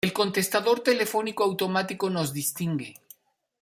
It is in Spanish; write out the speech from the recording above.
el Contestador Telefónico Automático nos distingue